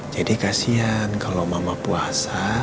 jadi kasian kalau mama puasa